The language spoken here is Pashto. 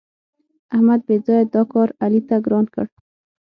احمد بېځآیه دا کار علي ته ګران کړ.